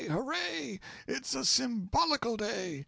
hooray! it's a symbolical day!"